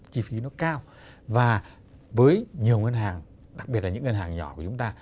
chi phí nó cao và với nhiều ngân hàng đặc biệt là những ngân hàng nhỏ của chúng ta